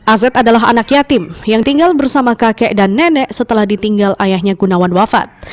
azed adalah anak yatim yang tinggal bersama kakek dan nenek setelah ditinggal ayahnya gunawan wafat